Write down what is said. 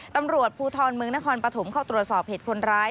ตำรวจภูทรเมืองนครปฐมเข้าตรวจสอบเหตุคนร้าย